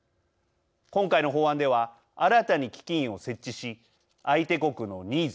今回の法案では新たに基金を設置し相手国のニーズ